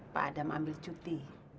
pak adam ambil cuti